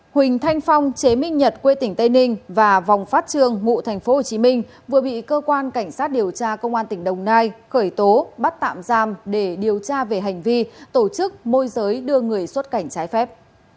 huỳnh thanh phong chế minh nhật quê tỉnh tây ninh và vòng phát trương mụ thành phố hồ chí minh vừa bị cơ quan cảnh sát điều tra công an tỉnh đồng nai khởi tố bắt tạm giam để điều tra về hành vi tổ chức môi giới đưa người xuất cảnh trái phép